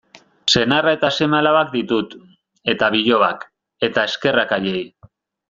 Senarra eta seme-alabak ditut, eta bilobak, eta eskerrak haiei.